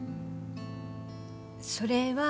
それは。